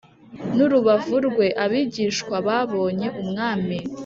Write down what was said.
n urubavu rwe Abigishwa babonye Umwami